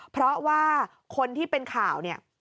เพราะว่าคนที่เป็นข่าวเนี่ย